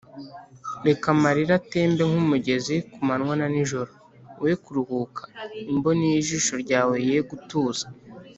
Reka amarira atembe nk’umugezi ku manywa na nijoro, We kuruhuka, imboni y’ijisho ryawe ye gutuza.